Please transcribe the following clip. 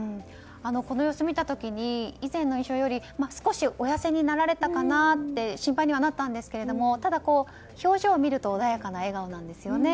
この様子を見た時に以前の印象より少しお痩せになられたかなと心配にはなったんですけどただ、表情を見ると穏やかな笑顔なんですよね。